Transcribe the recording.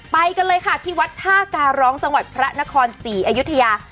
ไปกันเลยค่ะที่วัดท่าการร้องจังหวัดพระนครศรีอยุธยา